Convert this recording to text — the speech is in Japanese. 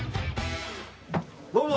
どうも。